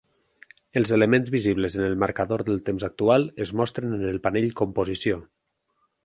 Els elements visibles en el marcador del temps actual es mostren en el panell Composició.